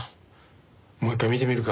もう一回見てみるか。